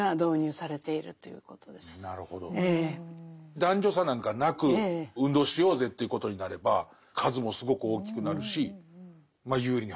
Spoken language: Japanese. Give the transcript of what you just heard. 男女差なんかなく運動しようぜということになれば数もすごく大きくなるし有利に働くことが多いと。